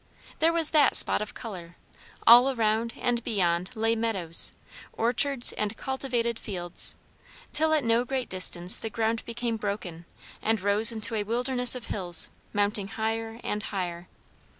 There was that spot of colour; all around and beyond lay meadows, orchards and cultivated fields; till at no great distance the ground became broken, and rose into a wilderness of hills, mounting higher and higher.